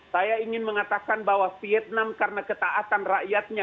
saya ingin mengatakan bahwa vietnam karena ketaatan rakyatnya